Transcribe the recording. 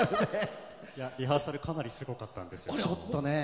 リハーサルかなりすごかったんです。